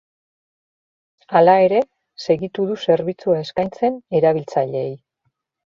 Hala ere, segitu du zerbitzua eskaintzen erabiltzaileei.